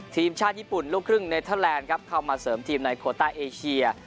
ทีมชาติญี่ปุ่นลูกครึ่งเนเทอร์แลนด์ครับเข้ามาเสริมทีมในโคต้าเอเชีย